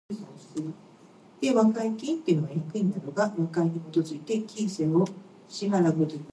Abraham Firkovich collected several distinct collections of documents.